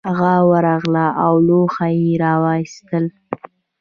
هغه ورغله او لوحه یې راویستله